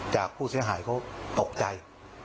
จากผู้เสียหายเขาตกใจ